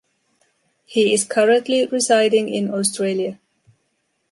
He is currently residing in Australia.